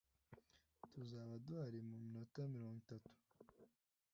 Tuzaba duhari muminota mirongo itatu.